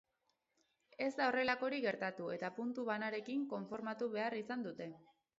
Ez da horrelakorik gertatu eta puntu banarekin konformatu behar izan dute.